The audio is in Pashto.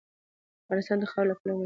افغانستان د خاوره له پلوه متنوع دی.